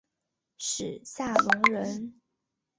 史夏隆人。